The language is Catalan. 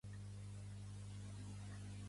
Hola, Benjamin.